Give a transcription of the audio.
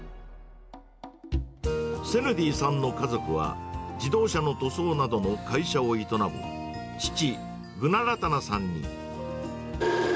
セヌディさんの家族は、自動車の塗装などの会社を営む父、グナラタナさんに。